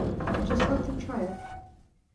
Just let them try it.